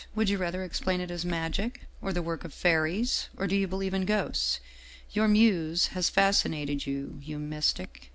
' Would you rather explain it as magic? Or as the work of fairies? Or do you believe in ghosts? Your muse has fascinated you, you mystic